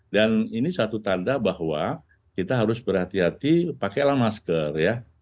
dan ini satu tanda bahwa kita harus berhati hati pakailah masker ya